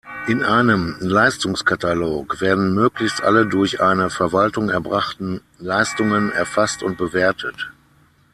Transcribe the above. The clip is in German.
In einem Leistungskatalog werden möglichst alle durch eine Verwaltung erbrachten Leistungen erfasst und bewertet.